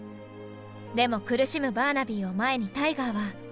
でも苦しむバーナビーを前にタイガーは。